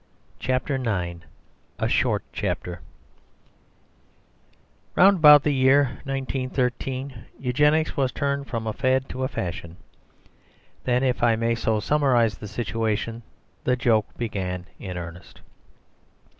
CHAPTER IX A SHORT CHAPTER Round about the year 1913 Eugenics was turned from a fad to a fashion. Then, if I may so summarise the situation, the joke began in earnest.